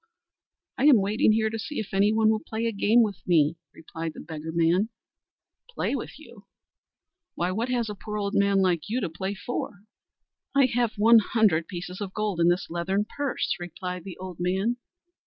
"I am waiting here to see if any one will play a game with me," replied the beggarman. "Play with you! Why what has a poor old man like you to play for?" "I have one hundred pieces of gold in this leathern purse," replied the old man.